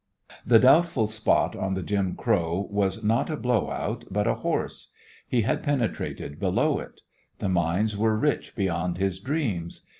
The doubtful spot on the Jim Crow was not a blow out, but a "horse." He had penetrated below it. The mines were rich beyond his dreams.